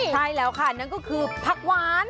ใช่แล้วค่ะนั่นก็คือผักหวาน